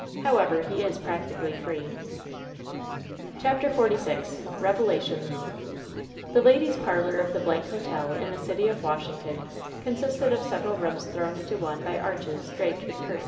However, he is practically free." CHAPTER XLVI BEVELATIOIT^S The ladies' parlor of the Blank Hotel, in the city of Washington, consisted of several rooms thrown into one by arches, draped with curtains.